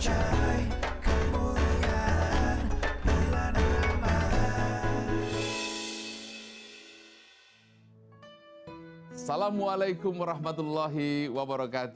assalamualaikum wr wb